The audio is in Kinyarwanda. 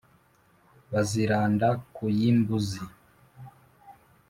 baziranda ku y' imbuzi